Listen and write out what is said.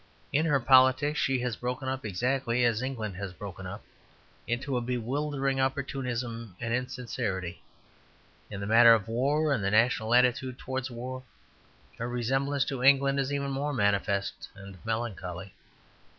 In her politics she has broken up exactly as England has broken up, into a bewildering opportunism and insincerity. In the matter of war and the national attitude towards war, her resemblance to England is even more manifest and melancholy.